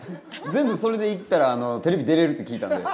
全部、それでいったらテレビに出れるって聞いたんで。